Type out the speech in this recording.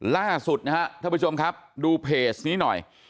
ล่าสุดนะครับท่านผู้ชมครับดูเพจนี้หน่อย